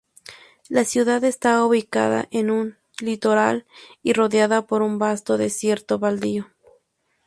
La ciudad está ubicada en un litoral y rodeada por un vasto desierto baldío.